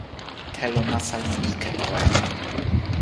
telo nasa li ike tawa jan.